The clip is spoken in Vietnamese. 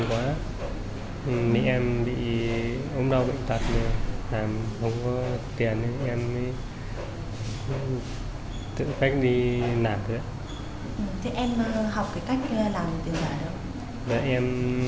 thì em in photo ra xong em đi bán